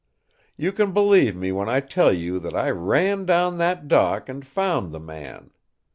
"You can believe me when I tell you that I ran down that dock and found the man.